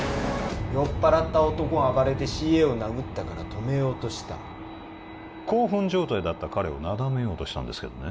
酔っ払った男が暴れてＣＡを殴ったから止めようとした興奮状態だった彼をなだめようとしたんですけどね